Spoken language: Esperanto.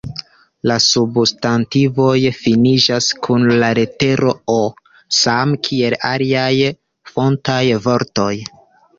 La substantivoj finiĝas kun la litero “O” samkiel aliaj fontaj vortoj.